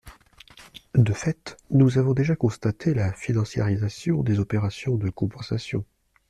De fait, nous avons déjà constaté la financiarisation des opérations de compensation.